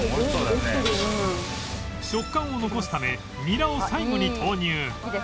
食感を残すためニラを最後に投入